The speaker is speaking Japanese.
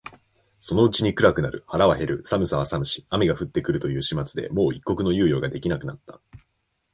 そのうちに暗くなる、腹は減る、寒さは寒し、雨が降って来るという始末でもう一刻の猶予が出来なくなった